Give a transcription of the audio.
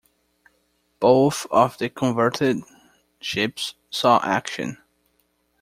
Both of the converted ships saw action.